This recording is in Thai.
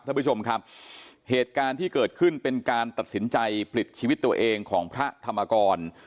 ท่านผู้ชมครับเหตุการณ์ที่เกิดขึ้นเป็นการตัดสินใจปลิดชีวิตตัวเองของพระธรรมกร